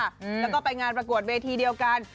แล้วก็ไปงานประกวดเวทีเดียวกัน